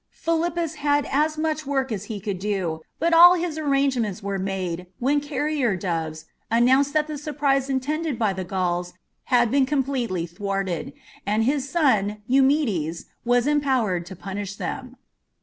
Philippus had as much work as he could do, but all his arrangements were made when carrier doves announced that the surprise intended by the Gauls had been completely thwarted, and his son Eumedes was empowered to punish them.